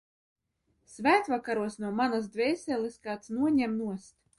Svētvakaros no manas dvēseles kāds noņem nost.